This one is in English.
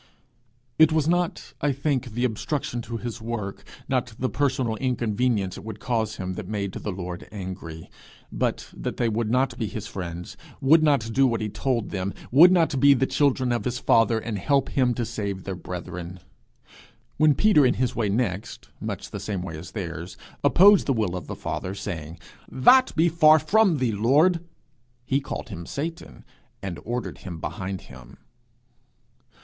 It was not, I think, the obstruction to his work, not the personal inconvenience it would cause him, that made the Lord angry, but that they would not be his friends, would not do what he told them, would not be the children of his father, and help him to save their brethren. When Peter in his way next much the same way as theirs opposed the will of the Father, saying, 'That be far from thee, Lord!' he called him Satan, and ordered him behind him.